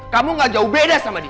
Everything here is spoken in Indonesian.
kamu gak jauh beda sama dia